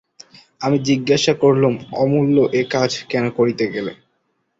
আমি জিজ্ঞাসা করলুম, অমূল্য, এ কাজ কেন করতে গেলে?